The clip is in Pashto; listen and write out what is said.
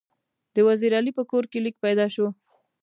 د وزیر علي په کور کې لیک پیدا شو.